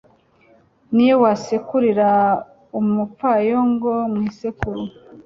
n'iyo wasekurira umupfayongo mu isekuru